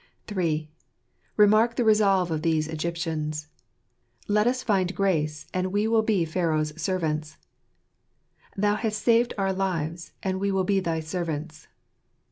®(je of Ctrmt. 127 III. Remark the Resolve of these Egyptians. " Let us find grace ; and we will be Pharaoh's servants." "Thou hast saved our lives ; and we will be thy servants."